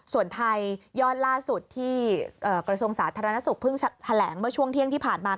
ส่วนไทยยอดล่าสุดที่กระทรวงสาธารณสุขเพิ่งแถลงเมื่อช่วงเที่ยงที่ผ่านมา